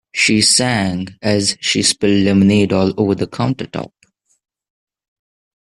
She sang as she spilled lemonade all over the countertop.